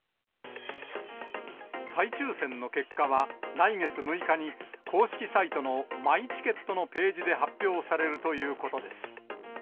再抽せんの結果は、来月６日に公式サイトのマイチケットのページで発表されるということです。